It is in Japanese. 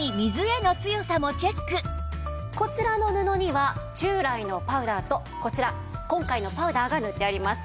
さらにこちらの布には従来のパウダーとこちら今回のパウダーが塗ってあります。